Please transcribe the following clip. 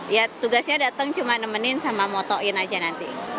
ya tugasnya datang cuma nemenin sama motoin aja nanti